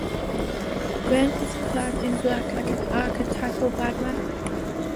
Ben is clad in black like an archetypal badman.